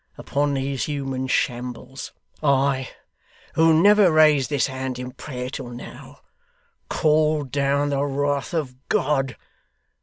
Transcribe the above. Upon these human shambles, I, who never raised this hand in prayer till now, call down the wrath of God!